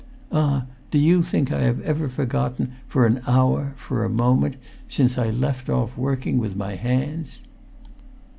Ah! do you think I ever have forgotten—for an hour—for a moment—since I left off working with my hands?"